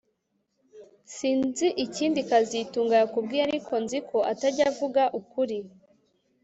Sinzi ikindi kazitunga yakubwiye ariko nzi ko atajya avuga ukuri